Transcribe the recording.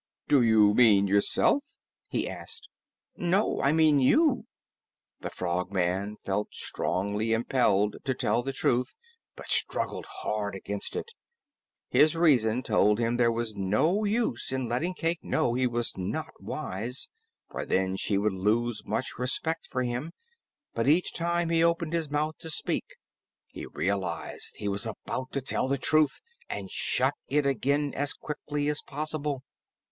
"Do you mean yourself?" he asked. "No, I mean you." The Frogman felt strongly impelled to tell the truth, but struggled hard against it. His reason told him there was no use in letting Cayke know he was not wise, for then she would lose much respect for him, but each time he opened his mouth to speak, he realized he was about to tell the truth and shut it again as quickly as possible.